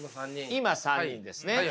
今３人ですね。